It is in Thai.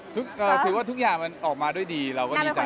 ถือว่าทุกอย่างมันออกมาด้วยดีเราก็ดีใจ